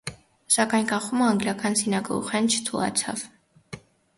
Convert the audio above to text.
Սակայն կախումը անգլիական սիւնագլուխէն չթուլացաւ։